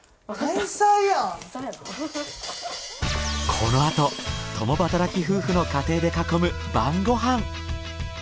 このあと共働き夫婦の家庭で囲む晩ご飯。